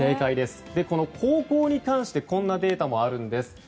後攻に関してこんなデータもあるんです。